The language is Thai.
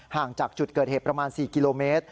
ห่างจากจุดเกิดเหตุประมาณ๔กิโลเมตร